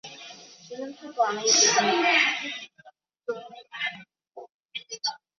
穆尼弗拉特是位于美国加利福尼亚州内华达县的一个非建制地区。